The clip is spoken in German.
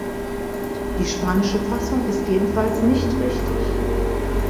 Die spanische Fassung ist jedenfalls nicht richtig!